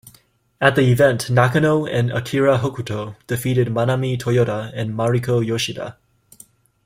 At the event, Nakano and Akira Hokuto defeated Manami Toyota and Mariko Yoshida.